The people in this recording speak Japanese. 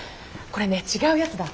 これね違うやつだ。